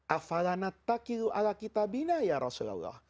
afalanat takilu ala kitabina ya rasulullah